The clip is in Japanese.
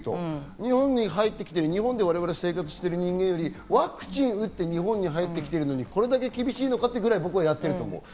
日本に入ってきて、日本で生活している我々よりワクチンを打って日本に入ってきているのに、これだけ厳しいのかっていうぐらいやってると僕は思う。